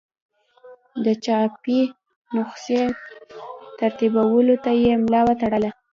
د چاپي نسخې ترتیبولو ته یې ملا وتړله.